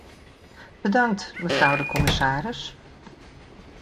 Bedankt, mevrouw de de commissaris.